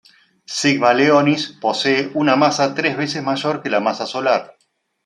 Sigma Leonis posee una masa tres veces mayor que la masa solar.